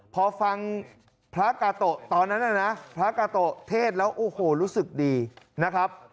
พอฟังพระกาโตะตอนนั้นน่ะนะพระกาโตะเทศแล้วโอ้โหรู้สึกดีนะครับ